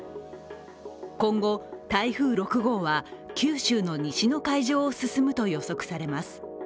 今後、台風６号は九州の西の海上を進むと予測されます。